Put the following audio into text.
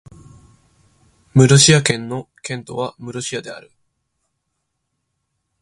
ムルシア県の県都はムルシアである